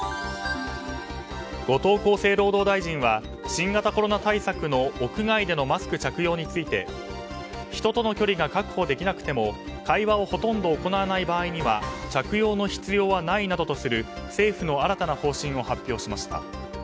後藤厚生労働大臣は新型コロナ対策の屋外でのマスク着用について人との距離が確保できなくても会話をほとんど行わない場合には着用の必要はないなどとする政府の新たな方針を発表しました。